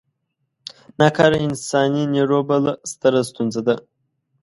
نا کاره انساني نیرو بله ستره ستونزه ده.